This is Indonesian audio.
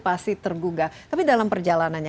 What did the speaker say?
pasti tergugah tapi dalam perjalanannya